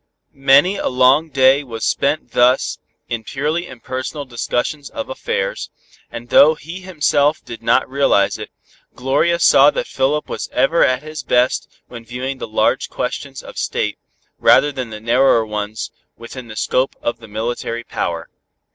Many a long day was spent thus in purely impersonal discussions of affairs, and though he himself did not realize it, Gloria saw that Philip was ever at his best when viewing the large questions of State, rather than the narrower ones within the scope of the military power.